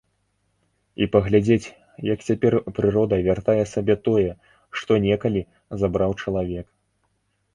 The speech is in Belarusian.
І паглядзець, як цяпер прырода вяртае сабе тое, што некалі забраў чалавек.